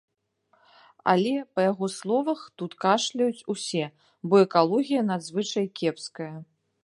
Але, па яго словах, тут кашляюць усе, бо экалогія надзвычай кепская.